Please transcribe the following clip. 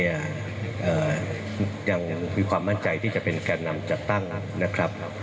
ยังมีความมั่นใจที่จะเป็นแก่นำจัดตั้งนะครับ